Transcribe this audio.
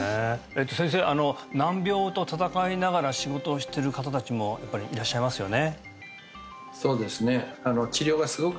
先生難病と闘いながら仕事をしている方達もやっぱりいらっしゃいますよね